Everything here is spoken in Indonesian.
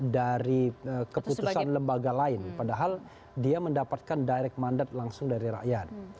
dari keputusan lembaga lain padahal dia mendapatkan direct mandat langsung dari rakyat